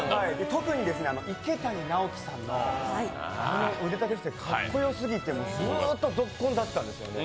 特に池谷直樹さんのあの腕立て伏せ、かっこよすぎてずっとゾッコンだったんですよね。